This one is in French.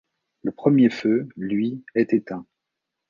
Le premier feux, lui, est éteint.